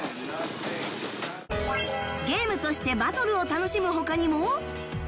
ゲームとしてバトルを楽しむ他にも